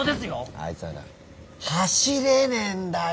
あいつはな走れねえんだよ！